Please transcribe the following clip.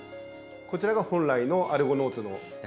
こちらが本来のアルゴノーツの姿に。